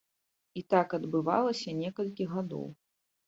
І так адбывалася некалькі гадоў.